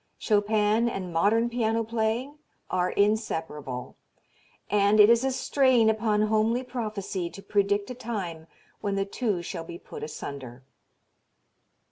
Chopin and modern piano playing are inseparable, and it is a strain upon homely prophecy to predict a time when the two shall be put asunder.